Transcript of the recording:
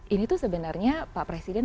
ini tuh sebenarnya pak presiden